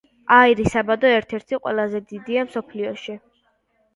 აირის საბადო ერთ-ერთი ყველაზე დიდია მსოფლიოში.